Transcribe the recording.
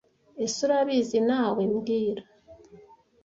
Ese Urabizi nawe, mbwira